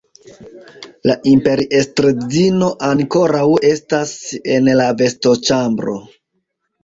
La imperiestredzino ankoraŭ estas en la vestoĉambro.